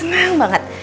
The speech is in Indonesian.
el ibu senang banget